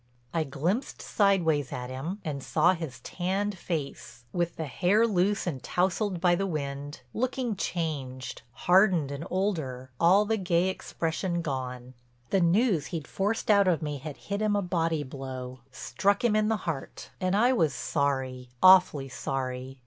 I glimpsed sideways at him, and saw his tanned face, with the hair loose and tousled by the wind, looking changed, hardened and older, all the gay expression gone. The news he'd forced out of me had hit him a body blow, struck him in the heart. And I was sorry, awfully sorry.